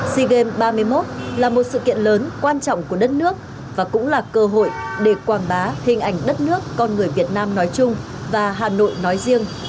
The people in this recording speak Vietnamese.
sea games ba mươi một là một sự kiện lớn quan trọng của đất nước và cũng là cơ hội để quảng bá hình ảnh đất nước con người việt nam nói chung và hà nội nói riêng